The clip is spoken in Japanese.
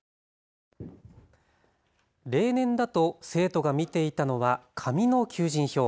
例年だと生徒が見ていたのは紙の求人票。